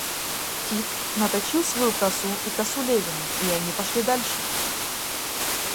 Тит наточил свою косу и косу Левина, и они пошли дальше.